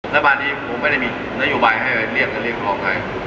แล้วบางทีผมไม่ได้มีนโยบายให้ให้เรียกการเรียกความไทย